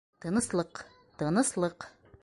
Тыныслыҡ, тыныслыҡ.